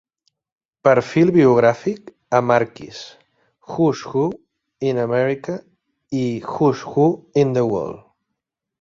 Perfil biogràfic a Marquis, Who's Who in America i Who's Who in the World.